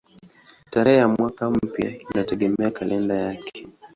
Tarehe ya mwaka mpya inategemea kalenda yake.